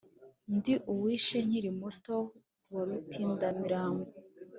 ndi uwishe nkiri muto wa rutindamirambo